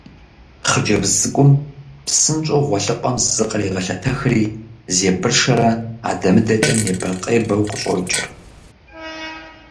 Хъыджэбз цӏыкӏум псынщӏэу гъуэлъыпӏэм зыкърегъэлъэтэхри, зебыршэрэ адэ-мыдэкӏэ небэ-къебэу къыщӏокӏыр.